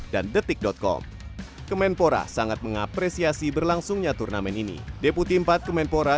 dan detik com kemenpora sangat mengapresiasi berlangsungnya turnamen ini deputi empat kemenpora